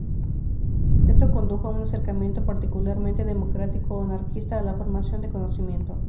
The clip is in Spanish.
Esto condujo a un acercamiento particularmente democrático o anarquista a la formación de conocimiento.